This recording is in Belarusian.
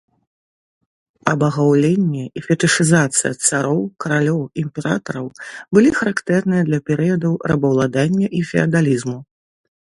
Абагаўленне і фетышызацыя цароў, каралёў, імператараў былі характэрныя для перыядаў рабаўладання і феадалізму.